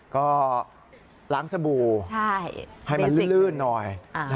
ก็ล้างสบู่ให้มันลื่นหน่อย